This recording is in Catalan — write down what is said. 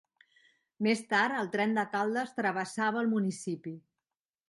Més tard, el tren de Caldes travessava el municipi.